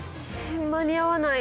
間に合わない！